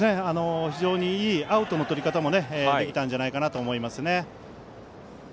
いいアウトのとり方ができたんじゃないかと思います。